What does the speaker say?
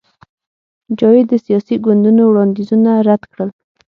جاوید د سیاسي ګوندونو وړاندیزونه رد کړل